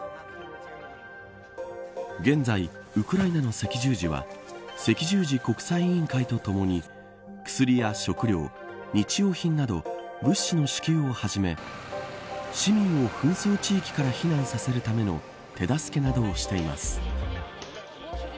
現在、ウクライナの赤十字は赤十字国際委員会とともに薬や食料日用品など物資の支給を始め市民を紛争地域から避難させるための手助けなどをしています。